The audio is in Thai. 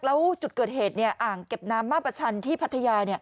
แล้วจุดเกิดเหตุอ่างเก็บน้ำมาประชันที่พัทยา